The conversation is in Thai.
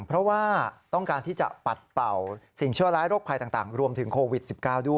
เพราะว่าต้องการที่จะปัดเป่าสิ่งชั่วร้ายโรคภัยต่างรวมถึงโควิด๑๙ด้วย